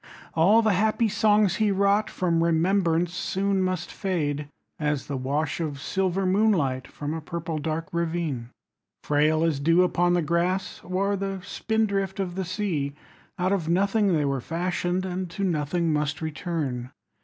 All the happy songs he wrought From remembrance soon must fade, As the wash of silver moonlight 15 From a purple dark ravine. Frail as dew upon the grass Or the spindrift of the sea, Out of nothing they were fashioned And to nothing must return.